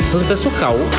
hương tất xuất khẩu